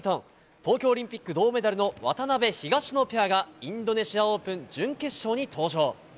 東京オリンピック銅メダルの渡辺、東野ペアがインドネシア・オープン準決勝に登場。